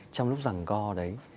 trong lúc rằng go đấy